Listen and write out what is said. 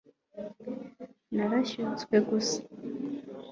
narashyutswe gusa